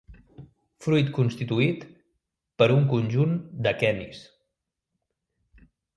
Fruit constituït per un conjunt d'aquenis.